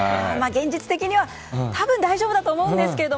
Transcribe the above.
現実的では多分大丈夫だと思うんですけど